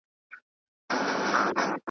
پر کیسو یې ساندي اوري د پېړیو جنازې دي .